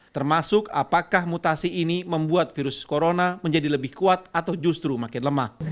termasuk apakah mutasi ini membuat virus corona menjadi lebih kuat atau justru makin lemah